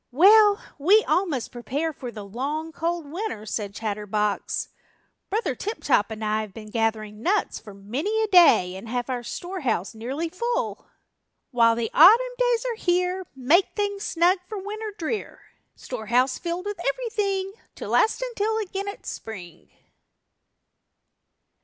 "Well, we all must prepare for the long, cold winter," said Chatterbox. "Brother Tip Top and I have been gathering nuts for many a day and have our storehouse nearly full." While the Autumn days are here Make things snug for Winter drear; Storehouse filled with everything To last until again it's Spring.